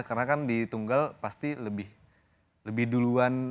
karena kan di tunggal pasti lebih duluan